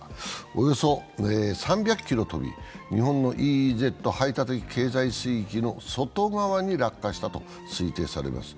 およそ３００ｋｍ飛び、日本のＥＥＺ＝排他的経済水域の外側に落下したと推定されます。